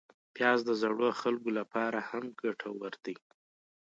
پیاز د زړو خلکو لپاره هم ګټور دی